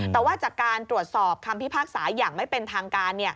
แต่ว่าจากการตรวจสอบคำพิพากษาอย่างไม่เป็นทางการ